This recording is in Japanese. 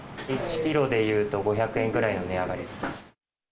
１キロでいうと、５００円くらいの値上がり。